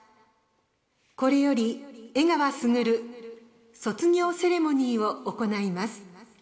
これより江川卓卒業セレモニーを行います。